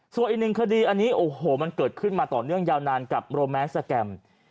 ส่วนอีกหนึ่งคดีอันนี้โอ้โหมันเกิดขึ้นมาต่อเนื่องยาวนานกับโรแมนสแกรม